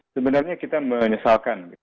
sebenarnya kita menyesalkan